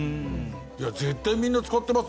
いや絶対みんな使ってます。